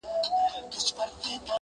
زورور هم تر چنګېز هم تر سکندر دی؛